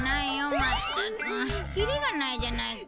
まったくキリがないじゃないか。